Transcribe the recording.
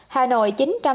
hà nội chín trăm tám mươi ca